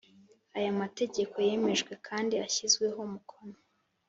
Aya mategeko yemejwe kandi ashyizweho umukono